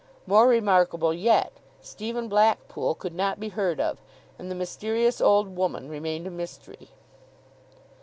More remarkable yet, Stephen Blackpool could not be heard of, and the mysterious old woman remained a mystery.